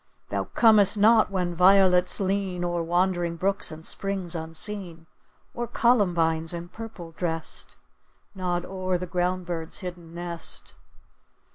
Thou comest not when violets lean O'er wandering brooks and springs unseen, Or columbines, in purple dressed, Nod o'er the ground bird's hidden nest.